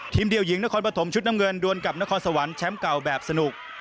เดียวหญิงนครปฐมชุดน้ำเงินดวนกับนครสวรรค์แชมป์เก่าแบบสนุก